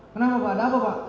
kenapa pak ada apa pak